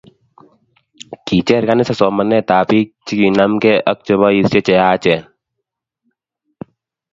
Kicher kanisa somanent ab biik chikinanmke ak cheboisie cheyachen